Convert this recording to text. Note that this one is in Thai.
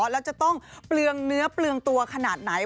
แล้วจะต้องเปลืองเนื้อเปลืองตัวขนาดไหน